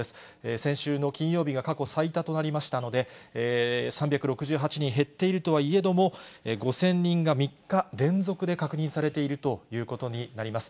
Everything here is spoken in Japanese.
先週の金曜日が過去最多となりましたので、３６８人減っているとはいえども５０００人が３日連続で確認されているということになります。